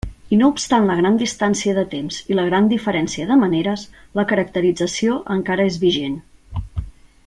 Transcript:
I no obstant la gran distància de temps i la gran diferència de maneres, la caracterització encara és vigent.